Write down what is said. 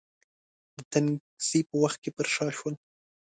د تنګسې په وخت کې پر شا شول.